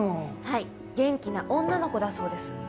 はい元気な女の子だそうです。